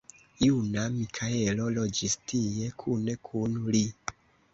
Juna Mikaelo loĝis tie kune kun li.